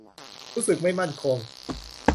รู้สึกไม่มั่นคง